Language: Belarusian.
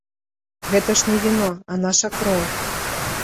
Гэта ж не віно, а наша кроў.